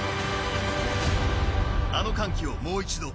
あの歓喜をもう一度。